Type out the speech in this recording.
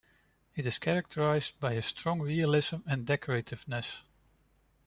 It is characterized by a strong realism and decorativeness.